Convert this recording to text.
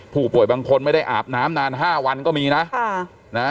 ผู้ป่วยบางคนไม่ได้อาบน้ำนาน๕วันก็มีนะ